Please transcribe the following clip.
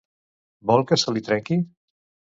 Vol que se li trenqui?